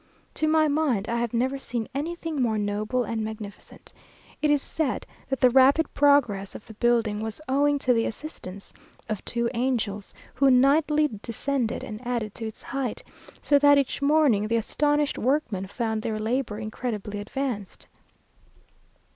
To my mind, I have never seen anything more noble and magnificent. It is said that the rapid progress of the building was owing to the assistance of two angels, who nightly descended and added to its height, so that each morning the astonished workmen found their labour incredibly advanced.